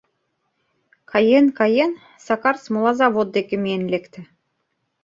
Каен-каен, Сакар смола завод деке миен лекте.